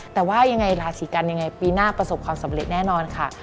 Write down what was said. แต่ว่ายังไงราศีกันยังไงปีหน้าประสบความสำเร็จแน่นอนค่ะ